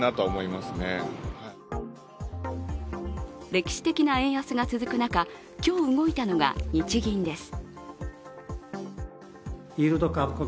歴史的な円安が続く中、今日動いたのが日銀です。